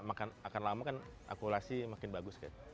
makan akan lama kan akurasi makin bagus